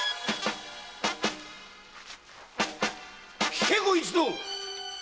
聞け！ご一同！